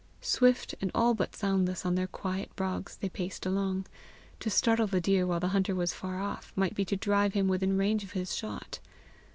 Swift and all but soundless on their quiet brogs they paced along: to startle the deer while the hunter was far off, might be to drive him within range of his shot.